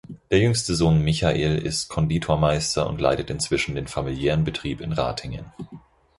Der jüngste Sohn Michael ist Konditormeister und leitet inzwischen den familiären Betrieb in Ratingen.